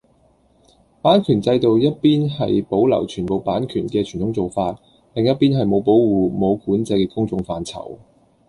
版權制度一邊係保留全部版權嘅傳統做法，另一邊係冇保護，冇管制嘅公共範疇